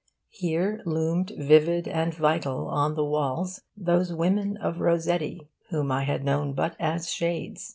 Here loomed vivid and vital on the walls those women of Rossetti whom I had known but as shades.